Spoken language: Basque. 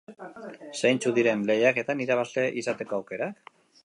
Zeintzuk diren lehiaketan irabazle izateko aukerak?